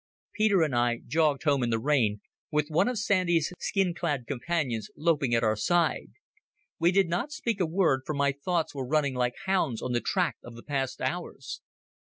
Peter and I jogged home in the rain with one of Sandy's skin clad Companions loping at our side. We did not speak a word, for my thoughts were running like hounds on the track of the past hours.